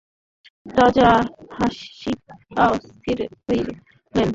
রাজা হাসিয়া অস্থির হইলেন।